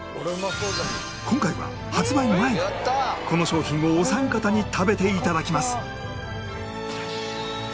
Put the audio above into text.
今回は発売前にこの商品をお三方に食べて頂きます